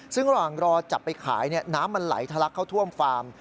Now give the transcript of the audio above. ซึ่งระหว่างรอจับไปขายน้ำมันไหลทะลักเข้าท่วมฟาร์ม